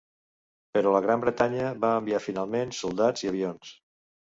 Però la Gran Bretanya va enviar finalment soldats i avions.